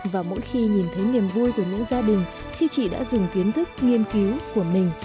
và mỗi khi nhìn thấy niềm vui của những gia đình khi chị đã dùng kiến thức nghiên cứu của mình